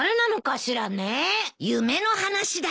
夢の話だよ。